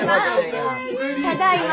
ただいま。